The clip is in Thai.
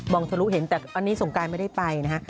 องทะลุเห็นแต่อันนี้สงการไม่ได้ไปนะฮะ